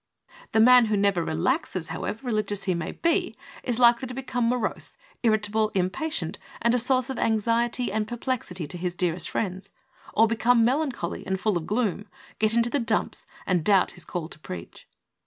75 The man who never relaxes^ however religious he may be, is likely to become morose, irritable, impatient and a source of anxiety and perplexity to his dearest friends; or become melancholy and full of gloom, get into the dumps, and doubt his call to preach.